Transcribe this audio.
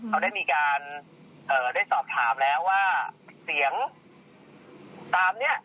เขาได้มีการได้สอบถามแล้วว่าเสียงตามนี้